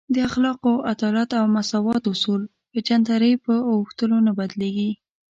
د اخلاقو، عدالت او مساوات اصول په جنترۍ په اوښتلو نه بدلیږي.